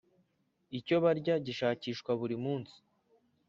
Icyo barya gishakishwa brimunsi.